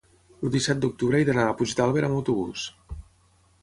el disset d'octubre he d'anar a Puigdàlber amb autobús.